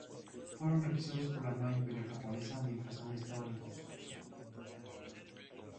Fueron requisados por la Armada Imperial Japonesa mientras aún estaban en construcción.